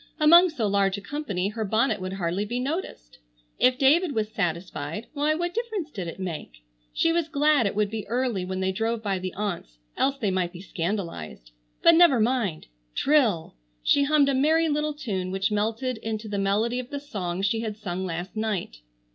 Among so large a company her bonnet would hardly be noticed. If David was satisfied why what difference did it make? She was glad it would be early when they drove by the aunts, else they might be scandalized. But never mind! Trill! She hummed a merry little tune which melted into the melody of the song she had sung last night.